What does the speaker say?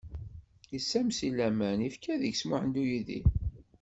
Yessammes i laman yefka deg-s Muḥend U yidir.